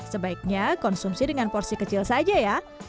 sebaiknya konsumsi dengan porsi kecil saja ya